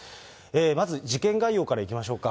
まず事件概要からいきましょうか。